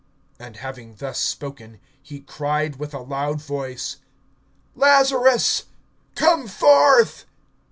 (43)And having thus spoken, he cried with a loud voice: Lazarus, come forth.